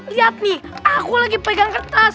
lihat nih aku lagi pegang kertas